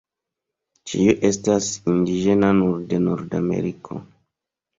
Ĉiu estas indiĝenaj nur de Nordameriko.